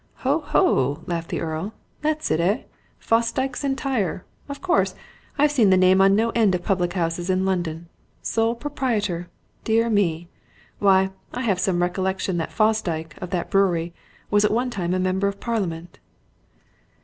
"Ho ho!" laughed the Earl. "That's it, eh? Fosdyke's Entire! Of course I've seen the name on no end of public houses in London. Sole proprietor? Dear me! why, I have some recollection that Fosdyke, of that brewery, was at one time a member of Parliament."